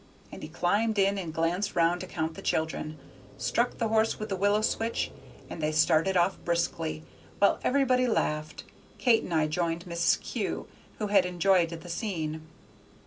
And he climbed in and glanced round to count the children, struck the horse with the willow switch, and they started off briskly, while everybody laughed. Kate and I joined Mrs. Kew, who had enjoyed the scene.